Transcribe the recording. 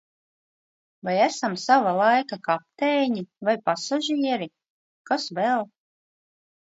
Vai esam sava laika kapteiņi vai pasažieri? Kas vēl?